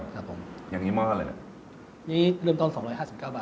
ขอชิมหมูได้มั้ยครับ